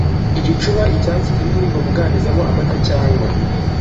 igicuba icyansi kinini babuganizamo amata cyangwa